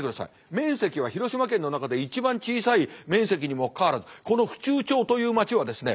面積は広島県の中で一番小さい面積にもかかわらずこの府中町という町はですね